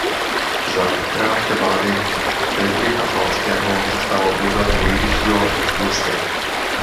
Za krátké vlády Fridricha Falckého zastával úřad nejvyššího hofmistra.